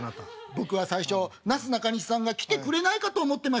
「僕は最初なすなかにしさんが来てくれないかと思ってました」。